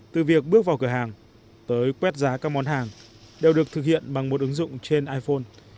từ việc bước vào cửa hàng tới quét giá các món hàng đều được thực hiện bằng một ứng dụng trên iphone